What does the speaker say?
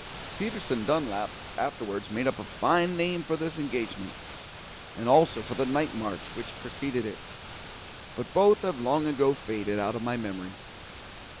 Peterson Dunlap afterwards made up a fine name for this engagement, and also for the night march which preceded it, but both have long ago faded out of my memory.